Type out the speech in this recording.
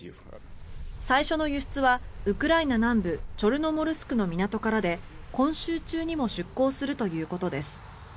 最初の輸出はウクライナ南部チョルノモルスクの港からで今週中にも出港するということです。